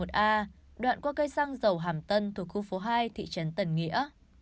đoạn qua cây xăng dầu hàm tân thuộc khu phố hai thị trấn tân nghĩa